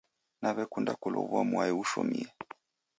Naw'ekunda kulow'ua mwai ushomie.